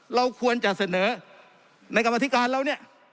เราควรจะเสนอในกรรมธิการเราเนี่ย